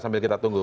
sambil kita tunggu